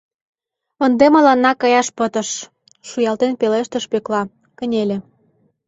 — Ынде мыланна каяш пытыш, — шуялтен пелештыш Пӧкла, кынеле.